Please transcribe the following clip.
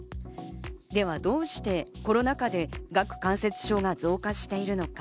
では、どうしてコロナ禍で顎関節症が増加しているのか。